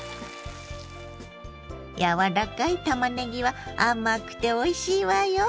柔らかいたまねぎは甘くておいしいわよ。